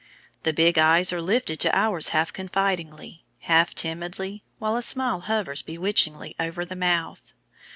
The big eyes are lifted to ours half confidingly, half timidly, while a smile hovers bewitchingly over the mouth.